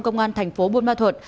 công an thành phố bôn ma thuật